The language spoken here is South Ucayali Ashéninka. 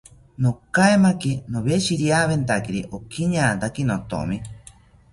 Nokaemaki noweshiriawentari okiñataki nothomi